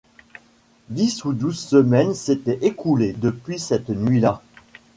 Dix ou douze semaines s’étaient écoulées depuis cette nuit-là.